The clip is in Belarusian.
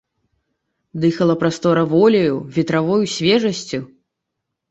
Дыхала прастора воляю, ветравою свежасцю.